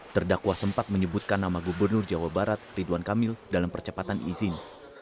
terdakwa sempat menyebutkan nama gubernur jawa barat ridwan kamil dalam percepatan izin